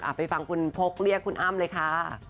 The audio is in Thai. ไปฟังคุณพกเรียกคุณอ้ำเลยค่ะ